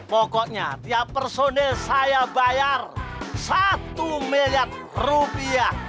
pokoknya tiap personil saya bayar satu miliar rupiah